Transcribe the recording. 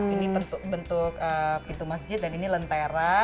ini bentuk pintu masjid dan ini lentera